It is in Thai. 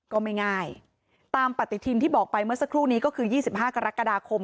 ก็ไม่ง่ายตามปฏิทินที่บอกไปเมื่อสักครู่นี้ก็คือ๒๕กรกฎาคม